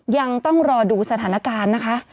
ยังต้องรอดูสถานการณ์นะคะ